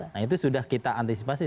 nah itu sudah kita antisipasi